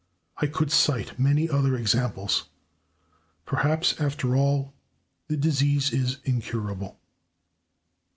I could cite many other examples. Perhaps, after all, the disease is incurable.